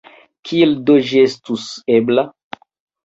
Kiel do ĝi estus ebla?